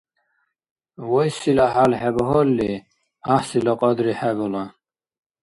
Вайсила хӀял хӀебагьалли, гӀяхӀсила кьадри хӀебала.